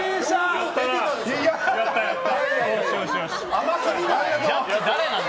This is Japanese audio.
甘すぎない？